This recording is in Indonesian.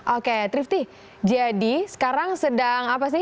oke trifty jadi sekarang sedang apa sih